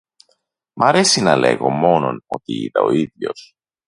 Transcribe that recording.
Μ' αρέσει να λέγω μόνον ό,τι είδα ο ίδιος